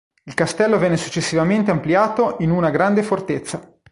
Il castello venne successivamente ampliato in una grande fortezza.